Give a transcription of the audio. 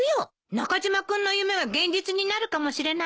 中島君の夢は現実になるかもしれないわね。